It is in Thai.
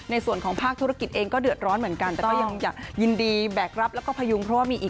ในส่วนของภาคธุรกิจเองก็เดือดร้อนเหมือนกัน